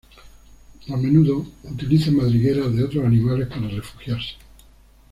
A menudo utilizan madrigueras de otros animales para refugiarse.